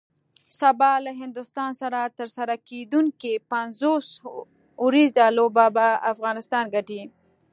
سبا له هندوستان سره ترسره کیدونکی پنځوس اوریزه لوبه به افغانستان ګټي